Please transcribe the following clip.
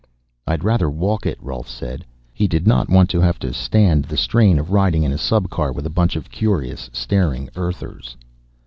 "I'd rather walk it," Rolf said. He did not want to have to stand the strain of riding in a subcar with a bunch of curious staring Earthers.